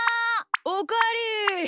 おかえり！